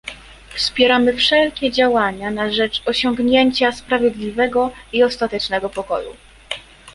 Wspieramy wszelkie działania na rzecz osiągnięcia sprawiedliwego i ostatecznego pokoju